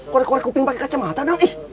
korek korek kuping pakai kacamata dang